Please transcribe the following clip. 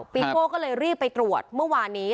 ปีโก้ก็เลยรีบไปตรวจเมื่อวานนี้